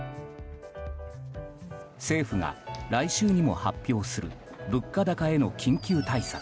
政府が来週にも発表する物価高への緊急対策。